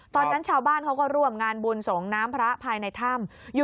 ตอนนั้นชาวบ้านเขาก็ร่วมงานบุญสงน้ำพระภายในถ้ำ